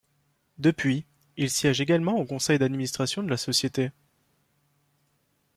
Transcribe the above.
Depuis, il siège également au conseil d'administration de la Société.